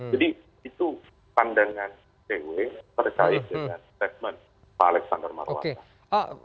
jadi itu pandangan cw terkait dengan statement pak alexander marwata